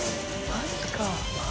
マジか。